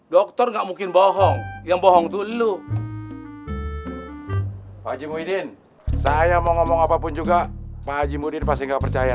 dokter nggak mungkin bohong yang bohong dulu haji muhyiddin